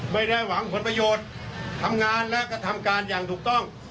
ไม่ได้หวังผลประโยชน์ทำงานและกระทำการอย่างถูกต้อง